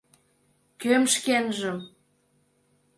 — Кӧм шкенжым?